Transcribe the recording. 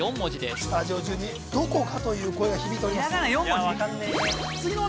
スタジオ中にどこか？という声が響いておりますひらがな４文字？